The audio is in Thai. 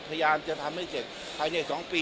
พยายามจะทำให้เสร็จภายใน๒ปี